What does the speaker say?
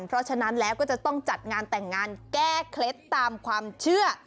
เพราะฉะนั้นแล้วก็จะต้องจัดงานแต่งงานแก้เคล็ดตามความเชื่อ